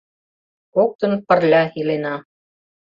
Коктын пырля илена.